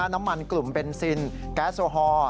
น้ำมันกลุ่มเบนซินแก๊สโอฮอล์